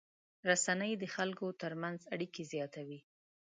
رسنۍ د خلکو تر منځ اړیکې زیاتوي.